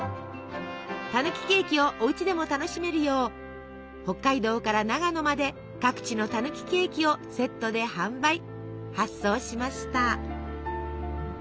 たぬきケーキをおうちでも楽しめるよう北海道から長野まで各地のたぬきケーキをセットで販売発送しました。